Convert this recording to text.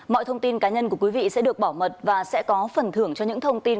mọi thông tin cá nhân của quý vị sẽ được bảo mật và sẽ có phần thưởng cho những thông tin